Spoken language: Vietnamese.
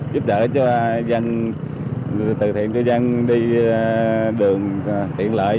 giúp đỡ cho dân từ thiện cho dân đi đường tiện lợi